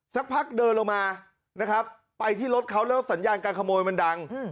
สักพักเดินลงมานะครับไปที่รถเขาแล้วสัญญาการขโมยมันดัง